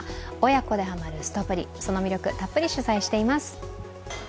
親子でハマるすとぷり、その魅力たっぷり取材しています。